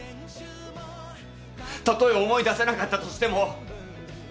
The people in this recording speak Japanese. たとえ思い出せなかったとしても。